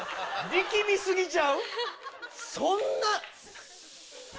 力み過ぎちゃう？